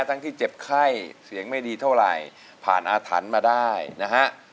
ที่เจ็บไข้เสียงไม่ดีเท่าไหร่ผ่านอาถรรพ์มาได้นะฮะ